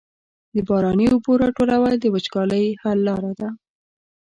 د باراني اوبو راټولول د وچکالۍ حل لاره ده.